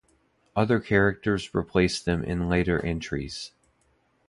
Other characters replace them in later entries.